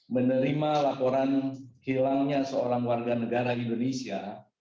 menerima laporan hilangnya seorang warga negara indonesia